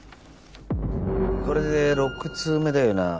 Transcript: これで６通目だよな？